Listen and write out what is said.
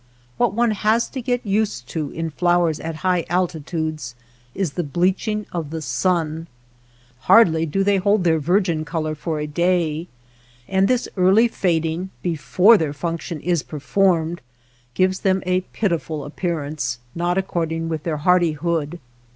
What one has to get used to in flowers at high altitudes is the bleaching of the sun. Hardly do they hold their virgin color for a day, and this early fading before their function is performed gives them a pitiful appearance not according with their hardi hood.